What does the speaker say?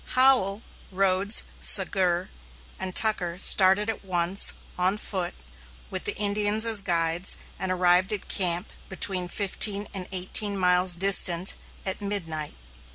Howell, Rhodes, Sagur, and Tucker started at once, on foot, with the Indians as guides, and arrived at camp, between fifteen and eighteen miles distant, at midnight.